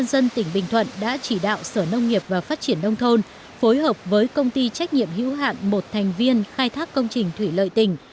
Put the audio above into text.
công ty khai thác công trình thủy lợi đã tiến hành xả lũ điều tiết qua tràn và phát triển đông thôn phối hợp với công ty trách nhiệm hữu hạn một thành viên khai thác công trình thủy lợi tỉnh